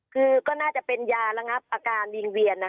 คือก็น่าจะเป็นยาระงับอาการวิงเวียน